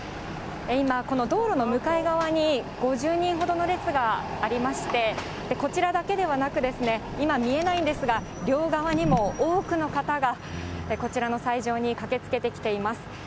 今、この道路の向かい側に５０人ほどの列がありまして、こちらだけではなく、今見えないんですが、両側にも多くの方が、こちらの斎場に駆けつけてきています。